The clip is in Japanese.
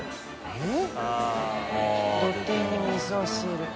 えっ？